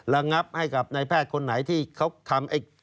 ระงับให้กับนายแพทย์คนไหนที่เขาทำ